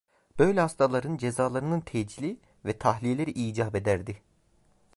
Böyle hastaların cezalarının tecili ve tahliyeleri icap ederdi.